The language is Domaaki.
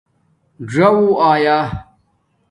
ژݹں آیا